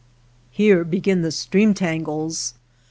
Here begin the stream tangles.